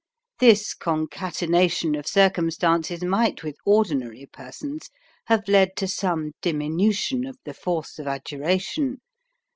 This concatenation of circumstances might with ordinary persons have led to some diminution of the force of adjuration.